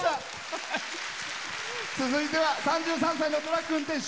続いては３３歳のトラック運転手。